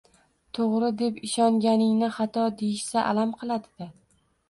Toʻgʻri deb ishonganingni xato deyishsa, alam qiladi-da